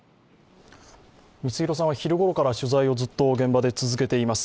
三ツ廣さんは昼ごろから取材をずっと現場で続けています。